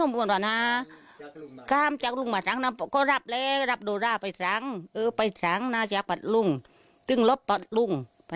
บรรลุงพันธ์นั้นแหละ